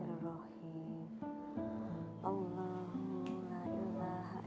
dalam ruang yang tidak sanger